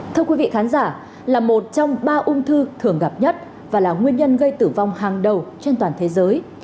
thưa quý vị khán giả là một trong ba ung thư thường gặp nhất và là nguyên nhân gây tử vong hàng đầu trên toàn thế giới